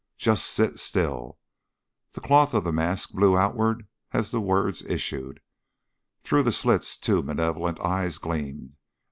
"Just sit still." The cloth of the mask blew outward as the words issued; through the slits two malevolent eyes gleamed.